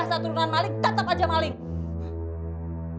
dasar keturunan maling tetap saja maling